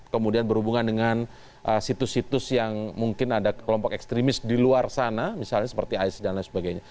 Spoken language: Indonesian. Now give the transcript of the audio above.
kemudian berhubungan dengan situs situs yang mungkin ada kelompok ekstremis di luar sana misalnya seperti isis dan lain sebagainya